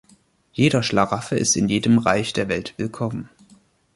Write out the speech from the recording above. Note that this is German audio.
Jeder Schlaraffe ist in jedem Reych der Welt willkommen.